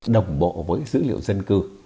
đồng bộ với dữ liệu dân cư